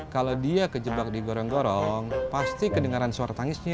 kalo dia kejebak digorong gorong pasti kedengeran suara tangisnya